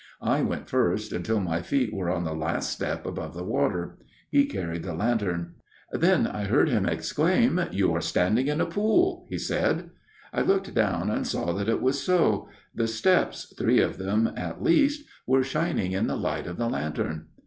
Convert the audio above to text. I went first, until my feet were on the last step above the water. He carried the lantern. " Then I heard him exclaim :"' You are standing in a pool/ he said. " I looked down and saw that it was so ; the steps, three of them at least, were shining in the light of the lantern.